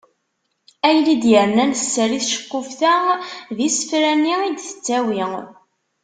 Ayen i d-yernan sser i tceqquft-a, d isefra-nni i d-tettawi.